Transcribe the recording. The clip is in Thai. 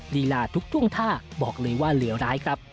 ลีลาทุกท่วงท่าบอกเลยว่าเหลือร้ายครับ